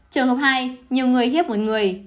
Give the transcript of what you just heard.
trường hợp hai nhiều người hiếp một người